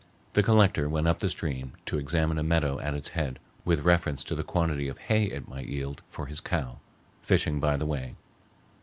The Collector went up the stream to examine a meadow at its head with reference to the quantity of hay it might yield for his cow, fishing by the way.